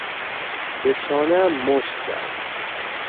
به چانهام مشت زد.